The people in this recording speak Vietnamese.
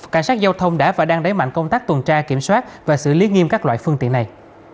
cảnh sát giao thông đã và đang đẩy mạnh công tác tuần tra kiểm soát và xử lý nghiêm các loại phương tiện này